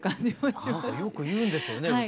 なんかよく言うんですよね